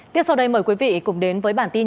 tiếp sau đây mời quý vị cùng đến với bản tin